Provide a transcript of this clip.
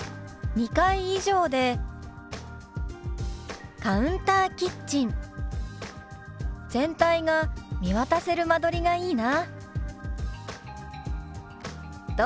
「２階以上でカウンターキッチン全体が見渡せる間取りがいいな」。